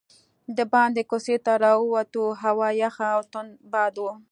دباندې کوڅې ته راووتو، هوا یخه او توند باد و.